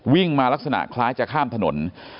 วิ่งมาลักษณะคล้ายจะข้ามถนน